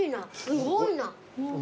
すごいな。